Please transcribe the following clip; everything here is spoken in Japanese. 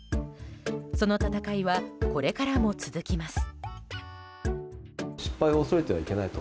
その戦いはこれからも続きます。